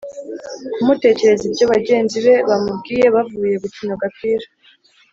kumutekerereza ibyo bagenzi be bamubwiye bavuye gukina agapira.